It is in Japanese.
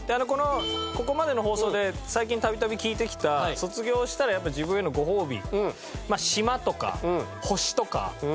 ここまでの放送で最近度々聞いてきた卒業したらやっぱり自分へのご褒美。